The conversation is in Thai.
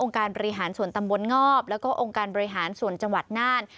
การบริหารส่วนตำบลงอบแล้วก็องค์การบริหารส่วนจังหวัดน่าน